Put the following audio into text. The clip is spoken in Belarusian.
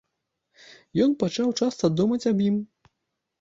Ён пачаў часта думаць аб ім.